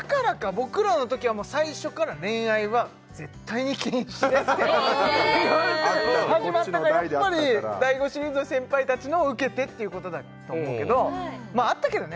僕らの時は最初から「恋愛は絶対に禁止です」って言われて始まったからやっぱり第５シリーズの先輩達のを受けてっていうことだと思うけどまああったけどね